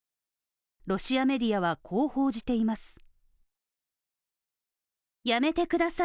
ロシアメディアは、こう報じています。